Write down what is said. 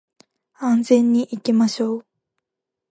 安全に行きましょう